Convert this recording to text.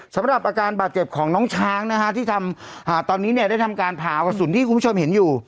สำหรับอาการบาดเจ็บของน้องช้างนะฮะที่ทำตอนนี้เนี่ยได้ทำการผ่ากระสุนที่คุณผู้ชมเห็นอยู่